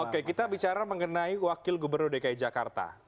oke kita bicara mengenai wakil gubernur dki jakarta